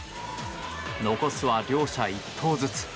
残すは両者１投ずつ。